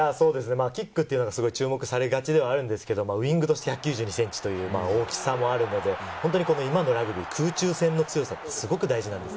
キックというのは注目されがちではあるんですけれども、ウイングとして１９２ｃｍという大きさもあるので、今のラグビー、空中戦の強さ、すごく大事なんです。